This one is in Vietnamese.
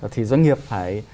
thì doanh nghiệp phải